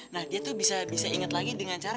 nah dia tuh bisa ingat lagi dengan cara